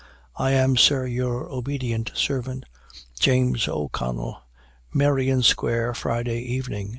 I am, sir, your obedient servant, "James O'Connell. "Merrion square, Friday Evening.